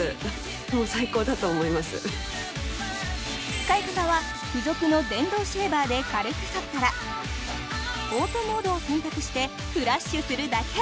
使い方は付属の電動シェーバーで軽くそったらオートモードを選択してフラッシュするだけ！